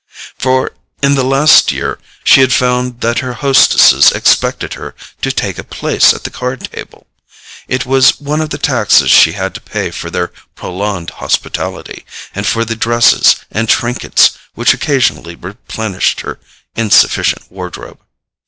For in the last year she had found that her hostesses expected her to take a place at the card table. It was one of the taxes she had to pay for their prolonged hospitality, and for the dresses and trinkets which occasionally replenished her insufficient wardrobe.